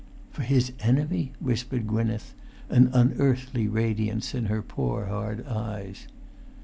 "For his enemy!" whispered Gwynneth, an unearthly radiance in her poor hard eyes.